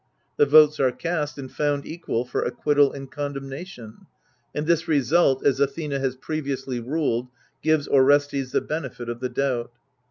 The votes are cast, and found equal, for acquittal and condemnation ; and this result, as Athena has previously ruled, gives Orestes the benefit of the doubt.